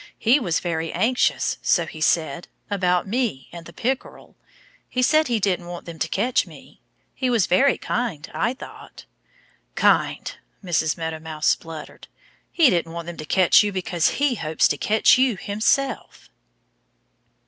He was very anxious so he said about me and the Pickerel. He said he didn't want them to catch me. He was very kind, I thought." "Kind!" Mrs. Meadow Mouse spluttered. "He didn't want them to catch you because he hopes to catch you himself!"